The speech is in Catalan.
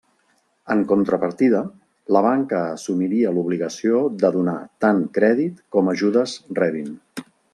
En contrapartida la banca assumiria l'obligació de donar tant crèdit com ajudes rebin.